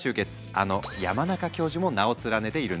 あの山中教授も名を連ねているんです。